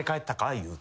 言うて。